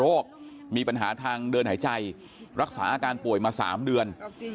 เป็นวรรณโรคมีปัญหาทางเดินหายใจรักษาอาการป่วยมา๓เดือน